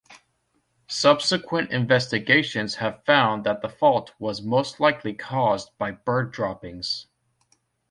Subsequent investigations have found that the fault was most likely caused by bird droppings.